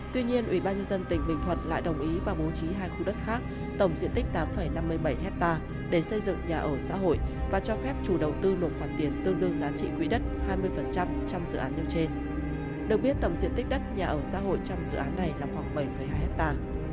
tuy nhiên ubnd tỉnh bình thuận lại đồng ý và bố trí hai khu đất khác tổng diện tích tám năm mươi bảy hectare để xây dựng nhà ở xã hội và cho phép chủ đầu tư nộp khoản tiền tương đương giá trị quỹ đất hai mươi trong dự án nêu trên được biết tổng diện tích đất nhà ở xã hội trong dự án này là khoảng bảy hai hectare